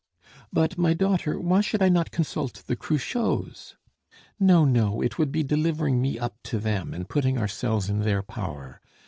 "But, my daughter, why should I not consult the Cruchots?" "No, no; it would be delivering me up to them, and putting ourselves in their power.